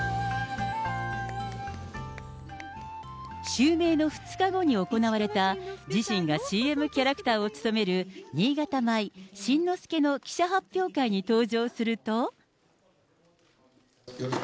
襲名の２日後に行われた、自身がＣＭキャラクターを務める、新潟米新之助の記者発表会に登場すると。